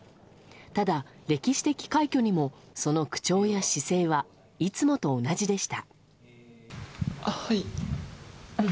ただ、歴史的快挙にもその口調や姿勢はいつもと同じでした。